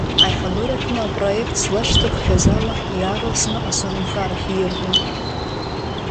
Аиҳабыра рҟны апроеқт злашьҭырххьаз ала, иаарласны асовнхарахь ииаргон.